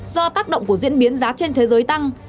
do tác động của diễn biến giá trên thế giới tăng